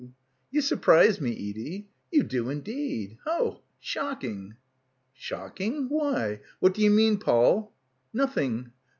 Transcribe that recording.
"You surprise me, Edie. You do indeed. Hoh. Shocking." "Shocking? Why? What do you mean, Poll?" "Nothing.